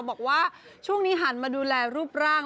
บอกว่าช่วงนี้หันมาดูแลรูปร่าง